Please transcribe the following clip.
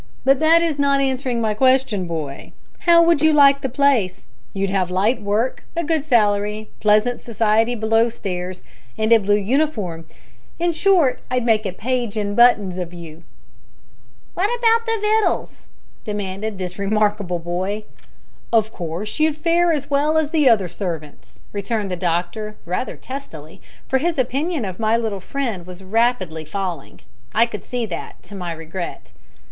But that is not answering my question, boy. How would you like the place? You'd have light work, a good salary, pleasant society below stairs, and a blue uniform. In short, I'd make a page in buttons of you." "Wot about the wittles?" demanded this remarkable boy. "Of course you'd fare as well as the other servants," returned the doctor, rather testily, for his opinion of my little friend was rapidly falling; I could see that, to my regret.